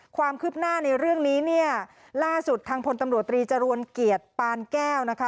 ความคืบหน้าในเรื่องนี้เนี่ยล่าสุดทางพลตำรวจตรีจรวนเกียรติปานแก้วนะคะ